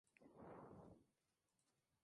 Hasta su muerte residió en Arizona.